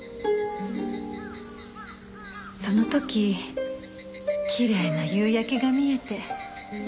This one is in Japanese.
その時きれいな夕焼けが見えて。